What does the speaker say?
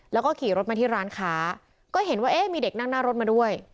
แล้วก็ขี่รถมาที่ร้านค้าก็เห็นว่าเอ๊ะมีเด็กนั่งหน้ารถมาด้วย